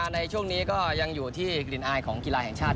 ในช่วงนี้ก็ยังอยู่ที่กลิ่นอายของกีฬาแห่งชาติ